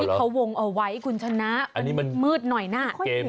ที่เขาวงเอาไว้คุณชนะมืดหน่อยหน้า